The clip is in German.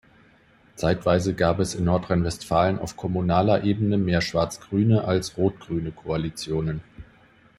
Zeitweise gab es in Nordrhein-Westfalen auf kommunaler Ebene mehr schwarz-grüne als rot-grüne Koalitionen.